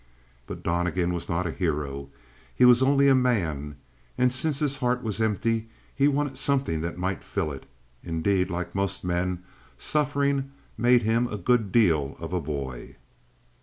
But Donnegan was not a hero. He was only a man, and, since his heart was empty, he wanted something that might fill it. Indeed, like most men, suffering made him a good deal of a boy.